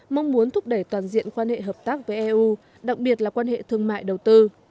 mong muốn thúc đẩy toàn diện quan hệ hợp tác với eu đặc biệt là quan hệ thương mại đầu tư